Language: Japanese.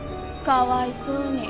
かわいそうに。